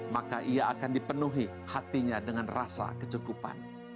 maka ia akan dipenuhi hatinya dengan rasa kecukupan